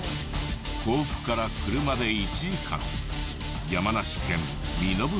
甲府から車で１時間山梨県身延町。